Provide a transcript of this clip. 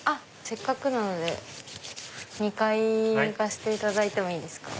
せっかくなので２階行かせていただいてもいいですか。